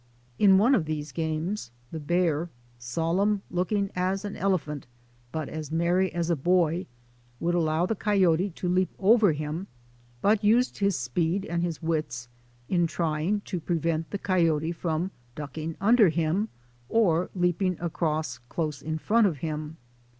In one of these games the bear, solemn looking as an elephant but as merry as a boy, would allow the coyote to leap over him but used his speed and his wits in trying to prevent the co}^ote from ducking under him or leaping across close in front of him.